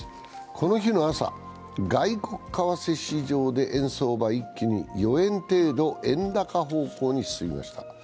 この日の朝、外国為替市場で円相場一気に４円程度円高方向に進みました。